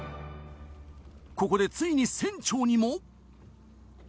ここでついに船長にも。